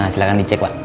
silahkan dicek pak